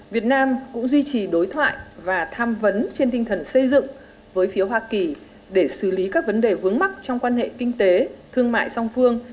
việt nam cũng duy trì đối thoại và tham vấn trên tinh thần xây dựng với phiếu hoa kỳ để xử lý các vấn đề vướng mắt trong quan hệ kinh tế thương mại song phương